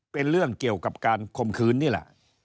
เป็นเรื่องเกี่ยวกับการคมคืนนี่แหละ